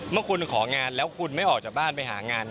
เมื่อคุณของานแล้วคุณไม่ออกจากบ้านไปหางาน